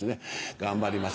頑張ります